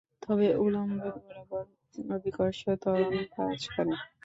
তবে উলম্ব বরাবর অভিকর্ষ ত্বরণ কাজ করে।